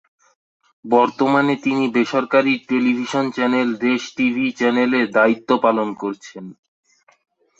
বর্তমানে তিনি বেসরকারি টেলিভিশন চ্যানেল দেশ টিভি চ্যানেলে দায়িত্ব পালন করছেন।